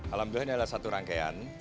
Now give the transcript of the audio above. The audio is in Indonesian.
alhamdulillah ini adalah satu rangkaian